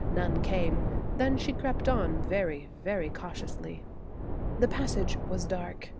None came. Then she crept on very, very cautiously. The passage was dark.